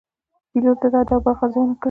پیلوټ د رعد او برق ارزونه کوي.